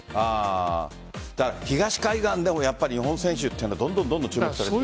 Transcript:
東海岸でも日本選手はどんどん注目されている。